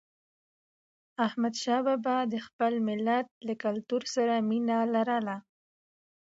احمدشاه بابا د خپل ملت له کلتور سره مینه لرله.